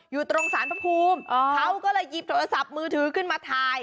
อยู่ตรงสารพระภูมิเขาก็เลยหยิบโทรศัพท์มือถือขึ้นมาถ่าย